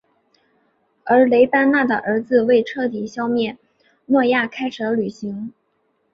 而雷班纳的儿子为彻底消灭诺亚开始了旅行。